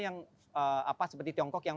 yang seperti tiongkok yang